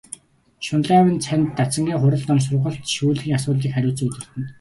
Шунлайв нь цанид дацангийн хурал ном, сургалт шүүлгийн асуудлыг хариуцан удирдана.